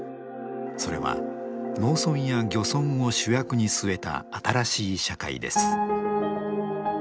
それは農村や漁村を主役に据えた新しい社会です。